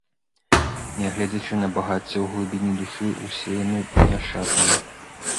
Нягледзячы на багацце, у глыбіні душы ўсе яны няшчасныя.